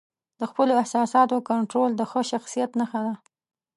د خپلو احساساتو کنټرول د ښه شخصیت نښه ده.